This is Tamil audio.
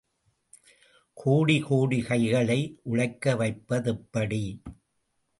கோடி கோடி கைகளை உழைக்க வைப்பதெப்படி?